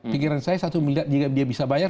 pikiran saya satu miliar jika dia bisa bayar